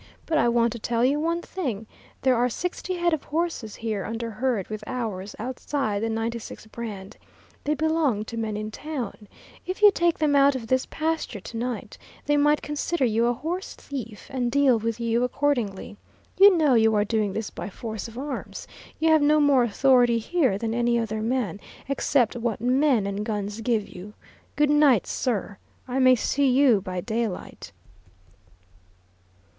But I want to tell you one thing there are sixty head of horses here under herd with ours, outside the '96' brand. They belong to men in town. If you take them out of this pasture to night, they might consider you a horse thief and deal with you accordingly. You know you are doing this by force of arms. You have no more authority here than any other man, except what men and guns give you. Good night, sir, I may see you by daylight."